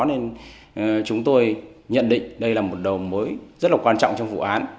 nên chúng tôi nhận định đây là một đầu mối rất là quan trọng trong vụ án